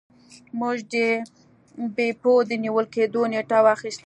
موږ د بیپو د نیول کیدو نیټه واخیسته.